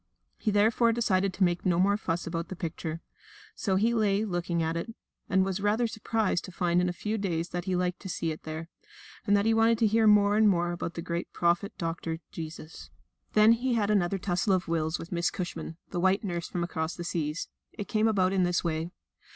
He therefore decided to make no more fuss about the picture. So he lay looking at it, and was rather surprised to find in a few days that he liked to see it there, and that he wanted to hear more and more about the great Prophet Doctor, Jesus. Then he had another tussle of wills with Miss Cushman, the white nurse from across the seas. It came about in this way.